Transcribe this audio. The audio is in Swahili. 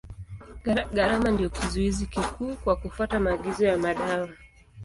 Gharama ndio kizuizi kikuu kwa kufuata maagizo ya madawa.